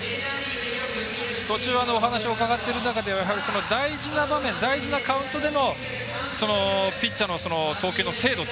途中お話を伺っている中では大事な場面大事なカウントでのピッチャーの投球の精度。